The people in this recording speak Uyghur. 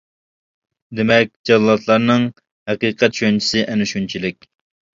دېمەك، جاللاتلارنىڭ ھەقىقەت چۈشەنچىسى ئەنە شۇنچىلىك.